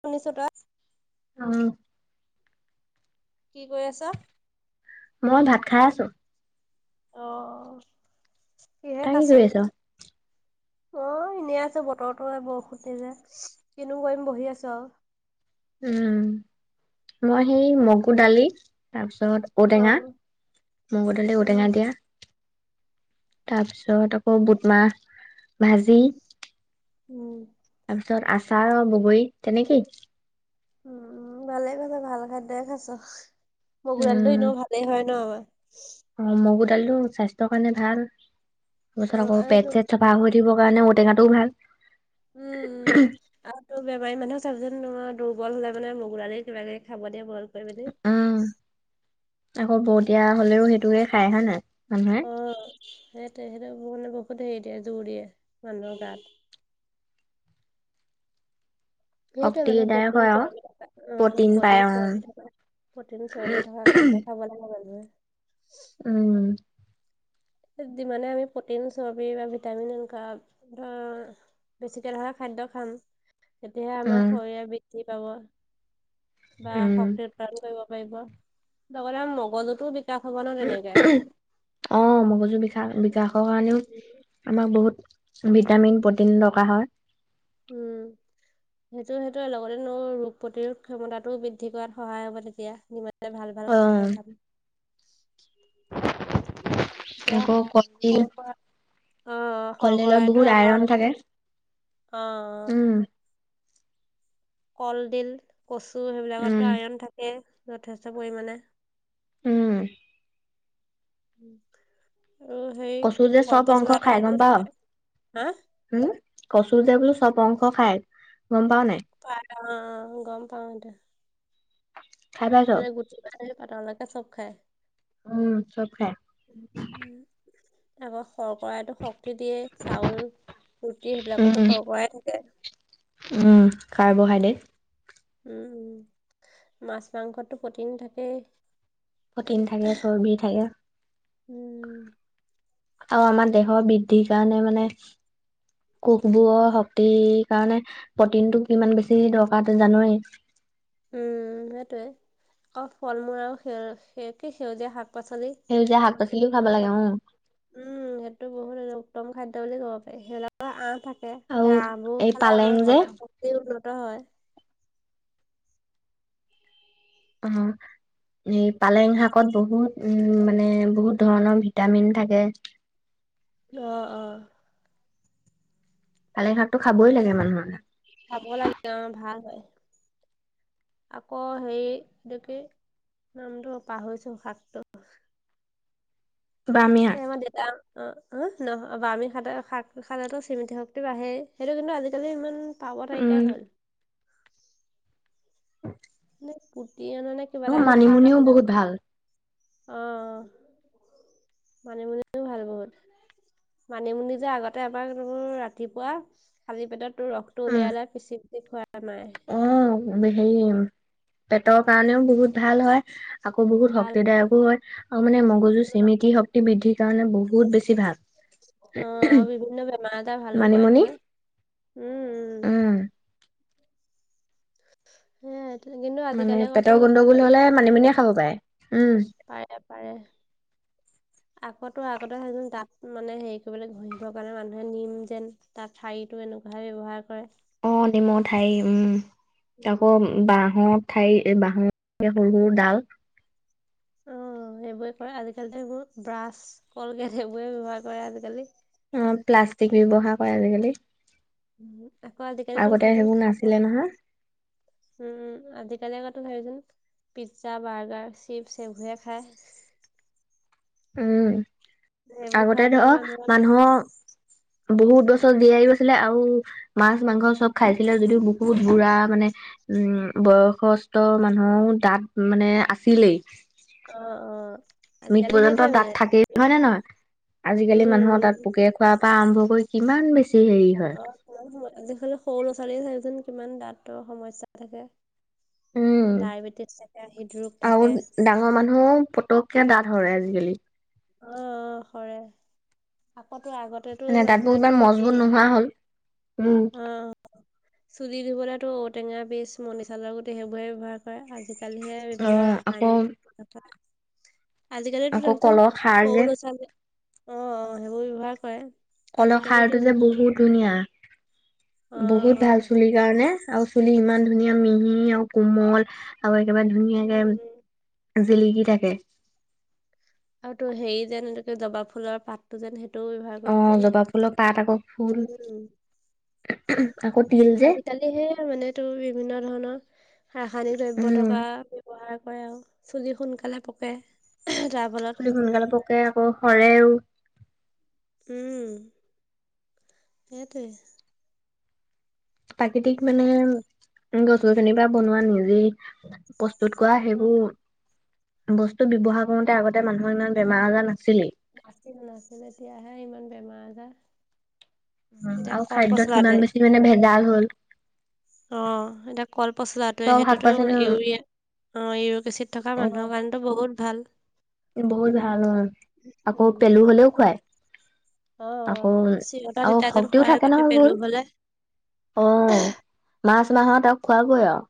শুনিছ তই? উম। কি কৰি আছ? মই ভাত খাই আছো। অ', কিহে ক তই কি আছ কৰি অ', এনেই আছ বতৰৰতো বৰষুতে যে কিনো কৰিম বহি আছো আৰু উম মই সেই মগু দালি তাৰপিছত অ উঔদেঙা মগদাললে উম ঔদেঙা দিয়া তাৰপিছত আকৌ বুটমাহ ভাজি। উম'। তাৰ পিছত আচাৰ বগৰী তেনেকেই। উম' [unintelligible] ভালে খাইছ ভাল খাদ্যয় খাইছ মগৰালটো উম, এনেও ভাল। হয় ন। অ' মগু দাইল স্বাস্থ্যৰ কাৰণে ভাল। অ তাৰপাছত আকৌ আৰু তো পেট চেট চাফা হৈ থাকিব কাৰণে ঔটেঙাটোও ভাল। উম' উম'। আৰু তোৰ বেমাৰী মানুহে চাব যেন তোম দুৰ্বল হলে মানে মগল কিবািবি খাব দিয়ে বইল কৰি পিনে। উম'আকৌ বৌতিয়া হলেও সেইটোৱে খাই হয় নাই, মানুহে। অ' সেইতে সেইটো মানে বহুত হেৰি দিয়ে জোৰ দিয়ে মানুহৰ গাত। সেইটোৱে মানে শক্তিদায়ক প্ৰিন হয় আৰু চৰ্বি থকা প্ৰটিন পায় উিন অ'। চৰ্বি থকা [unintelligible] প্ৰটিন চৰ্বি থকা খাদ্য খাব লাগে মানুহে। উম। যিমানে আমি প্ৰটিন চৰ্বি বা ভিটামিন এনেকুৱা ধৰা বেছি তেল হ'লে খাদ্য খাম। তেতিয়াহে আমাৰ উম, শৰীৰ বৃদ্ধি পাব বা উম। শক্তিৰ কৰিব পাৰিব লগতে মগজতো বিকাশ হ'ব ন তেনেকে। অ' মগজু বি বিকাশৰ কাৰণেও আমাক বহুত ভিটামিন প্ৰটিন দকাৰ হয়। উম [unintelligible] সেইটো সেইটোে লগতে ন ৰোগ প্ৰতিৰোধ ক্ষমতাটো বৃদ্ধি কৰাত সহায় হ'ব তেতিয়া, ইমান। ভাল ভাল খাদ্য খাবি। [unintelligible] এতিয়া আকৌ কলডিল শৰ্কৰা আহ কলডিলত শৰ্কৰাইতটো বহুত আমাৰ আইৰন থাকে। অ'। উম। কলডিল, কচু সেইবিলাকতো উম। আইৰণ থাকে যথেষ্ট পৰিমাণে। উম'। আৰু সেই কচু যে কল চব অংশ পচলা সেৰিও থাকে হা? হুম, কচু যে বোলো চব অংশ খায় গম পাও নাই। পাও অ' গম পাও দে। খাই পাইছ? গুটি পাৰ পা তেওঁলোকে চব খাই। উম' চব খাই। উম' হ'ব। শৰ্কইতো শক্তি দিয়ে চাউল ৰুটি সেইবিলাকো শৰকৰাই থাকে। কাৰ্বোহাইড্ৰেট। উম' মাছ মাংসটো প্ৰটিন থাকেই। প্ৰটিন থাকে, চৰ্বি থাকে। উম আৰু আমাৰ দেহৰ বৃদ্ধিৰ কাৰণে মানে কোষবোৰৰ শক্তিৰ কাৰণে প্ৰটিন টো কিমান বেছি দৰকাৰ তই জানোৱেই। উম' সেইটয়ে আকৌ ফল মূল আৰু সে কি সেউজীয়া শাক পাচলিত। সেউজীয়া শাক পাচলিও খাব লাগে উম। উম' সেইটো বহুত উত্তম খাদ্য বুলি ক'ব পাৰি। সিহঁতৰ আহ থাকে, আৰু সেই আহ বোৰ এই খালে পালেং আমাৰ যে, হজম শক্তি উন্নত হয়। আহ'। এই পালেং শাকত বহুত উম', মানে বহুত ধৰণৰ ভিটামিন থাকে। অ', অ'। পালেং শাকটো খাবই মানে লাগে মানুহে। খাব লাগে অ' ভাল হয়, আকৌ' হেৰি এইটো কি নামটো পাহৰিছো শাকটো বামি শাক এই আমাৰ দেউতা অ', হ নহ বমি শাক শাক খালেটো স্মৃতি শক্তি বাঢ়েই সেইটো কিন্তু আজিকালি ইমান পাব নাইকিয়া হ'ল। [unintelligible] মে পুতি আন নে কিবা অ এটাব শাক মানিমুনিও আছিলে বহুত ৰ'বা ভাল। মানিমুনিও ভাল বহুত। মানিমুনি যে আগতে এবাৰোৰ ৰাতিপুৱা খালি পেটত তটো ৰস টো উম উলিয়াইলৈ পিচি পিচি খোৱা মায়ে অ', হেৰি পেটৰ কাৰণেও বহুত ভাল হয় আকৌ বহুত ভাল ভাল শক্তিদায়কো হয় আৰু মানে মগজুৰ চিমিতি শক্তিৰ বৃদ্ধিৰ কাৰণে বহুত বেছি ভাল। অ', আৰু বিভিন্ন বেমাৰ এজাৰ ভালো কৰে মানিমুনি নহয়, উম, উম। সেয়াই, কিন্তু মানে আজিকালি আকৌ তো পেটৰ গণ্ডগোল হলে মানিমুনিয়ে খাব পাৰে, উম পাৰে পাৰে। [inaudible] আকৌ তো আগতে দাঁত মানে হেৰি কৰিব ঘঁহিবৰ কাৰণে মানুহে নিম যেন তাৰ ঠাৰিতটো এনেকুৱাহে ব্যৱহাৰ কৰে। অ', নিমৰ ঠাৰি উম, আকৌ উম বাঁহত ঠাই বা [unintelligible] সৰু সৰু ডাল অ', সেইবোৰে কৰে, আজিকালি এইবোৰ ব্ৰাছ কলগেট সেইবোৰে ব্যৱহাৰ কৰে আজিকালি। অ', প্লাষ্টিক ব্যৱহাৰ কৰে আজিকালি। উ, আকৌ আজিকালি তো আগতে চাবিচোন সেইবোৰ নাছিলে খাবৰ নহয় উম, আজিকালি আকৌতো চাবিচোন পিজ্জা, বাৰ্গাৰ, চিপছ এইবোৰে খায়। উম, সেইবোৰ আগতে খোৱাৰ ফলত ধৰ মানুহৰ বহুত বছৰ জীয়াইও আছিলে, আৰু মাছ মাংস চব খাইছিলে যদিও বহুত বুঢ়া মানে উম, বয়সস্থ মানুহৰো দাঁত মানে আছিলেই। অ', অ'। মৃত আজিকালি পৰ্যন্ত সেইটোৱে দাঁত মানে থাকেই হয় [unintelligible] নে নহয় আজিকালি মানুহৰ উম, দাঁত পোকে ক [unintelligible] পৰা আৰম্ভ কৰি কিমান বেছি হেৰি হয় উম, আজিকালি সৰু ল'ৰা ছোৱালীয়ে চাবিচোন কিমান দাঁতৰ সমস্যা থাকে উম ডায়েবেটিছ থাকে, হৃদৰোগ আৰু থাকে। ডাঙৰ মানুহৰো পতককে দাঁত সৰে আজিকালি। অ', অ', সৰে আকৌ তো আগতে মানে দাঁতবোৰ মানুহেতো ইমান মজবুত নোহোৱা হ'ল উম। অ', চুলি ধুবলৈতো ঔটেঙা বীজ, মণি চালৰ গুটি সেইবোৰৰে ব্যৱহাৰ কৰে আজিকালিহে অ বিভিন্ন আকৌ ৰাসায়নিক আজিকালিতো আকৌ চাবিচোন কলৰ খাৰ সৰু যে ল'ৰা ছোৱালী, অ', সেইবোৰ ব্যৱহাৰ কৰে কলৰ আজিকালিতো খাৰতো যে বি- বহুত ধুনীয়া, অ বহুত ভাল হয় চুলিৰ কাৰণে আৰু চুলি ইমান ধুনীয়া মিহি আৰু কোমল আৰু একেবাৰে উম। ধুনীয়াকে জিলিকি থাকে। আৰু তো হেৰি যেন এনেকে জবা ফুলৰ পাতটো যেন সেইটোও ব্যৱহাৰ অ কৰিব পাৰি। জবা ফুলৰ পাত আকৌ ফুল, উম আকৌ তিল যে সেয়হে মানে তোৰ বিভিন্ন ধৰণৰ ৰাসায়নিক দ্ৰব্য উম থকা ব্যৱহাৰ কৰে, আৰু চুলি সোনকালে পকে, যাৰ চুলি সোনকালে পকে, আকৌ সৰেও। উম্, সেইটোৱে। প্ৰাকৃতিক মানে, গছ-গছনিৰ পৰা বনোৱা নিজেই প্ৰস্তুত কৰা অ সেইবোৰ বস্তু ব্যৱহাৰ কৰোতে আগতে মানুহক ইমান বেমাৰ আজাৰ নাছিলেই। নাছিলে নাছিলে, এতিয়াহে ইমান বেমাৰ আজাৰ। উম্, এতিয়া আৰু কল খাদ্যত পচলাটোৱে ইমান বেছি মানে ভেজাল হ'ল। অ', সেইতোৱে কলপচলাতোৱে চব শাক সেইটোতো পাচলি অ ইউৰিয়া অ', ইউৰিক এচিড থকা মানুহৰ কাৰণে। টো বহুত ভাল। বহুত ভাল অ', আকৌ উম পেলু হলেও খুৱায়। আকৌ, অ'। চিৰতা আৰু তিতাকেল শক্তিও খোৱাৰ থাকে আগতে নহয় পেলু ভুল। হ'লে। অ', মাৰ্চ মাহত আকৌ খোৱাবৈ আৰু।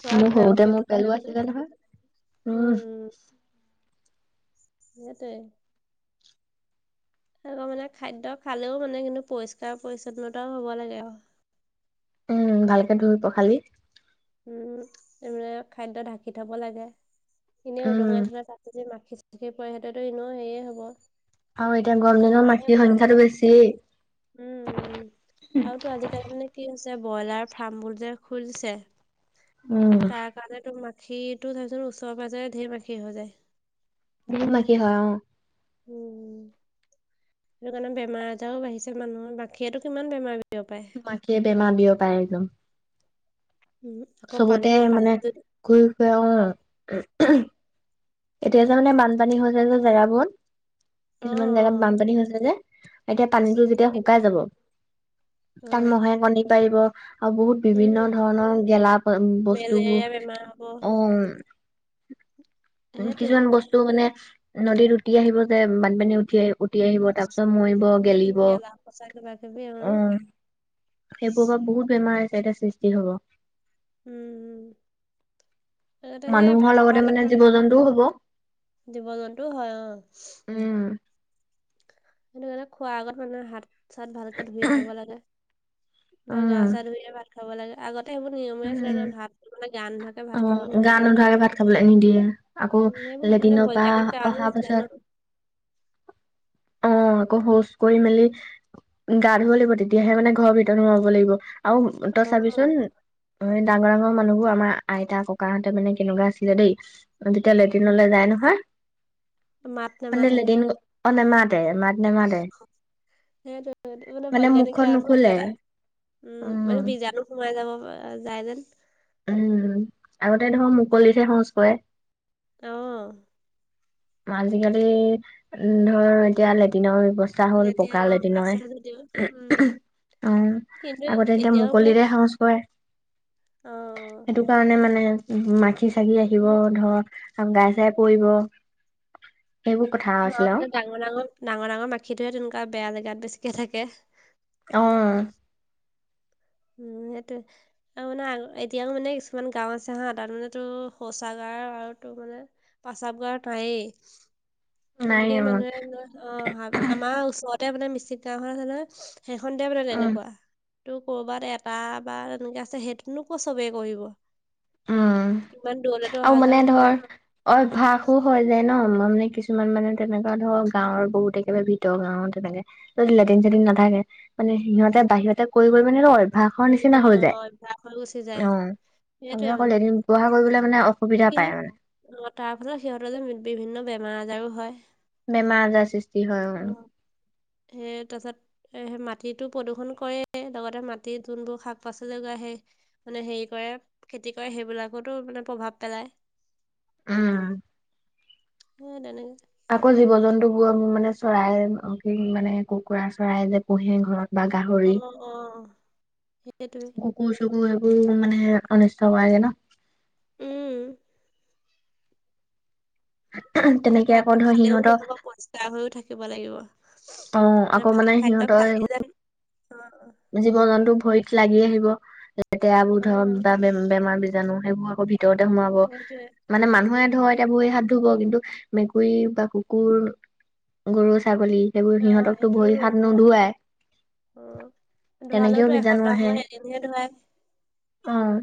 খোৱা মোৰ হয় আৰু সৰুতে মোৰ পেলু হ'লে পেলো মানে আছিলে নহয়, উম, উম্। উম সেইটোৱে। আকৌ মানে খাদ্য খালেও মানে কিন্তু পৰিষ্কাৰ পৰিছন্নতাও হ'ব লাগে আৰু। উম্, ভালকে ধুই পখালি। উম্, সেইয়ে খাদ্য ঢাকি থব লাগে, এনেই উম উদঙাই থলে তাত যে মাখি। সি পায় সিতেতো ইনেও সেয়ে হ'ব। আৰু এতিয়া ন গৰম দিনৰ বেমাৰে মাখিৰ বেয়া সংখ্যাটো হ'ব, বেছিয়েই উম্ আৰু তো আজিকালি। তাৰমানে কি হৈছে, ব্ৰইলাৰ ফাৰ্ম বোৰ যে খুলিছে। উম্, ত মাখিটো চাবিছোন, ওচৰে পাজৰে ধেৰ মাখি হৈ যায়। বহুত মাখি হয় অ', উম্, উম্। সেইটো কাৰণে বেমাৰ আজাৰো বাঢ়িছে মানুহৰ, মাখিয়েতো কিমান বেমাৰ বিয়পায়। মাখিয়ে বেমাৰ বিয়পায় একদম। উম, আকৌ পানী চবতে মানে পানীত যদি ঘূৰি ফুৰে অ', এতিয়া যে মানে বানপানী হৈছে যে জেগাবোৰত, অ', কিছুমান জেগাত অ', বানপানী হৈছে যে। এতিয়া পানীটো যেতিয়া তাকে। শুকাই যাব, তাত অ', মহে কণী পাৰিব। আৰু বহুত উম, বিভিন্ন ধৰণৰ গেলা বস্তুবোৰ মেলেৰিয়া বেমাৰ হ'ব অ', উম্, সেইটোৱে। কিছুমান বস্তু মানে নদীত উটি আহিব যে, বানপানী উটি আহিব। উটি আহিব, তাৰ পিছত মৰিব, উম, গেলিব। গেলা পচা কিবা কিবি অ', সেইবোৰৰ পৰা বহুত বেমাৰ আছে, এতিয়া সৃষ্টি হ'ব। উম্, তাতে সেই ভাত খোৱ লেকে- ইন্দু হ'ব - জীৱ- জন্তু হয় অ', উম্, সেইটো কাৰণে খোৱাৰ আগত মানুহে হাত- চাত ভালকে ধুই খাব লাগে, বা গা উম চা ধুইয়ে ভাত খাব লাগে আগত- সেইবোৰ নিয়মে আছিলে উম মানে ভাত মানে গান নুধু- অ', গা নোধোৱাকে ভাত খাবলৈ নিদিয়ে, আকৌ উম, এইবোৰ মানে লেট্ৰিনৰ পৰা বৈজ্ঞানিক কাৰণো অহাৰ আছিলে পাছত। ন অ', আকৌ শৌচ কৰি মেলি। গা ধুৱ লাগিব। তেতিয়াহে মানে ঘৰ ভিতৰত সোমাব লাগিব। আৰু তই অ', চাবিচোন, ডাঙৰ ডাঙৰ মানুহবোৰ। আমাৰ আইতা ককাহঁতে মানে কেনেকুৱা আছিলে দেই, যেতিয়া উম, লেট্ৰিনলৈ যায় নহয়। মাত মানে নামাতে লেট্ৰিন, অ', নামাতে। মাত নামাতে। সেইটো সেইটো মানে বৈজ্ঞানিক কাৰণো আছে, উম্, উম মানে বীজাণু- সোমাই যাব, যায় যেন- উম্, আগতে দেখোন মুকলিতহে শৌচ কৰে। অ', আজিকালি উম ধৰ এতিয়া লেট্ৰিনৰ ব্যৱস্থা পকা মানে হ'ল এতিয়া পকা অ', লেট্ৰিন আছে নহয়। যদিও উম, অ কিন্তু আগতে এতিয়া এতিয়াও মানে মুকলিৰে শৌচ কৰে। অ'। সেইটো কাৰণে মানে উম মাখি চাখি আহিব মানে ধৰ গাই চাই পৰিব। সেইবোৰ কথা অ আছিলে আৰু ডাঙৰ ডাঙৰ ডাঙৰ ডাঙৰ মাখিটোহে তেনেকা বেয়া জেগাত বেছিকে থাকে। অ'। উম সেইটোৱে। আৰু মানে এতিয়াও মানে কিছুমান গাঁও আছে হা তাত মানে তোৰ শৌচাগাৰ আৰু তোৰ মানে প্ৰস্ৰাৱগাৰ তায়ে। নাই তেনেকে উম মানুহে অ আমাৰ ওচৰতে মে মিষ্টিত গাওৰ আ নয়। সেইখন দে ব উম তেনেকুৱা। তটো কৰবাত এটা বা তেনেককা আছে সেইটোনো কো চবেই কৰিব। উম ইমান দূৰলেতো আৰু অহা মানে যানো কৰে ধৰ ন। অভ্যাসো হৈ যায় ন মানে কিছুমান মানে তেনেকুৱা ধৰক গাঁৱৰ বহুতে একেবাৰে ভিতৰ গাঁওৰ তেনেকে যদি লেটিন চেটিন নাথাকে মানে সিহঁতে বাহিৰতে কৈ কৰি মানে ভাষৰ কৰি নিচিনা কৰি অ হৈ অভ্যাস হৈ গুচি যায় অ'। সেইটোৱে তাৰপিছত ক মানে এদিন ব্যৱহাৰ কৰিবলৈ মানে উম অসুবিধা কিন্তু পায় মানে। অ' তাৰ ফলত সিহঁতৰ যে বিভিন্ন বেমাৰ আজাৰো হয়। বেমাৰ আজাৰ আছে। অ' সেই তচাত এ মাটিতো প্ৰদূষণ কৰে লগতে মাটিৰ যোনবোৰ শাক পাচলি জগা আহে। মানে হেৰি কৰে খেতি কৰে সেইবিলাকতো মানে প্ৰভাৱ পেলায়। উম। উ, তেনেক। আকৌ জীৱ জন্তু বোৰ মোৰ মানে চৰাই কি মানে কুকুৰা চৰাই যে পুহে ঘৰত। বা অ গাহৰি। অ সেইটোৱে কো চ ক সবোৰ মানে অনিষ্ট কগে ন। উম। মানে তেনেকে খাদ্য আকৌ ধৰ খালেও সিহঁতৰ নহ'ব পৰিষ্কাৰ হৈও থাকিব লাগিব। অ ম আকৌ মানে ভাল খাদ্য সিহঁতৰ খাই যায় অ', অ'। জীৱ জন্তু ভৰিত লাগি আহিব লেতেৰা অ বোধৰ বাে বেমাৰ বীজাণু সেইবোৰ আকৌ ভিতৰতে সোমাব সেইটোৱে মানে উম মানুহে ধৰে কেতি ব হাত ধুব কিন্তু মেকুৰী বা কুকুৰ গৰু ছাগলী সেইবোৰ অ সিহঁতকতো ভৰি হাত নুধুৱাই। উ, ধোৱালেওতো এসপ্তাহ আহে ময় এদিনহে ধুৱাই। অ'।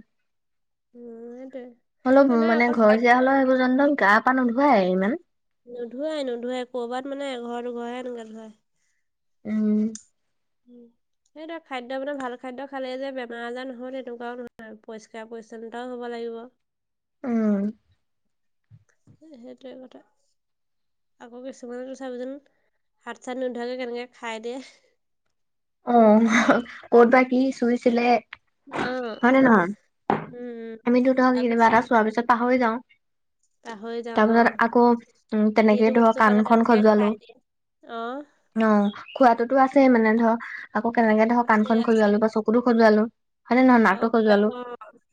উম সটো। অলপ মানে ঘৰচীয়া হ'লেও সেইবোৰজন গা পা নোধুৱাই ইমান। নোধোৱাই নোধোৱৱাই ক'ৰবাত মানে ঘৰটো ঘৰে এনেকে ধুৱাই। উম। উম। সেইটো খাদ্য বানে ভাল খাদ্য খালেই যে বেমাৰ আজাৰ নহয় তেনেকুৱাও নহয় পৰিষ্কাৰ পৰিচ্ছন্নতাও হ'ব লাগিব। উম। সেইটোৱে কথা। আকৌ কিছুমান চাজন হাত চাত নোধোৱাকৈ কেনেকৈ খাই দিয়ে। অ' ক'ত বা কি চুইছিলে। অ'। উম, আমি দুটাও কিবা এটা তাৰপিছত চোৱাৰ পিছত পাহৰি যাওঁ। পাহৰি যাওঁ অ', তাৰপিছত আকৌ উ তেনেকেই যিটো ধৰক বস্তু পালে কাণখন তেনেকে খজোৱালো। খাই দিয়ে অ'। অ' খোৱাতোটো আছেই উম, মানে ধৰ আকৌ কেনেকে ধৰক আছে পাণখন আছে খূজুৱালো বা চকু সৰু সজুৱালোঁ। আৰু কিবা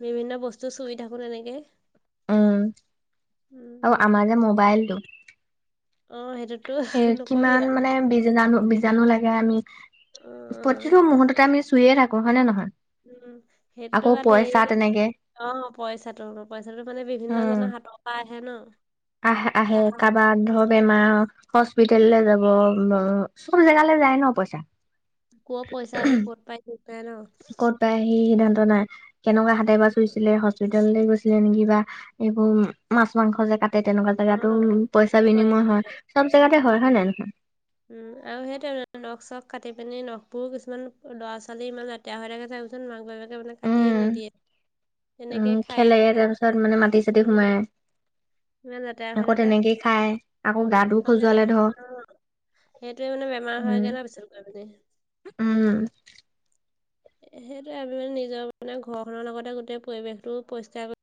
বিভিন্ন বস্তু চুই থাকোঁ এনেকে। উম। আৰু উম, আমাৰ যে মোবাইলটো অ', সেইটোতো নকবি কিমান আৰু মানে বীজাণু বীজাণু লাগে, আমি অ', প্ৰতিটো মুহূৰ্ততে আমি চুয়ে থাকো হয় নে নহয়? উম, সেইটো আকৌ বাদেই পইচা তেনেকে অ' পইচাটো, পইচাটো মানে বিভিন্ন উম জনৰ হাতৰপৰা আহে ন'। আহে আহে, কা- কাৰোবাৰ উম, ধৰ বেমাৰ উম, হস্পিতেললৈ যাব চব জেগালৈ যায় ন' পইচা? ক'ৰ পইচা আহে ক'ত পাই ঠিক নাই ন'? তাই সি সিদ্ধান্ত নাই। কেনেকুৱা হাতে বা চুইছিলে ভিতৰলৈ গৈছিলে নেকি বা এইবোৰ মাছ মাংস যে তাতে তেনেকুৱা অ', জেগাতো উ, পইচা তেনেকুৱাই বিনিময় হয়, সেইটোৱে চব জেগাতে হয় উম। নে নহয়? উম, আৰু সেইটো নখ চখ কাটি পিনি নখবোৰ কিছুমান ল'ৰা ছোৱালী ইমান তেয়া হৈ থাকে যে তাৰপিছত মাক বাপে মানে কাটিয়ে নিদিয়ে। তেনেকে উম, খায়ে খেলে যে থাকে, তাৰপিছত মানে মাটি চাটি সোমাই। উম, ইমান লেতেৰা হৈ আকৌ থাকে। তেনেকেই খায়। আকৌ উম, গাটো আৰু খজুৱালে তেনেকে ধৰ অ' সেইটোৱে মানে বেমাৰ হয়গে ন' পিছত গৈ মানে। উম। সেইটোয়ে আমি মানে নিজৰ মানে ঘৰখনৰ লগতে গোটেই পৰিৱেশটো পৰিষ্কাৰ